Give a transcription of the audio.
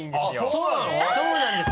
そうなんです。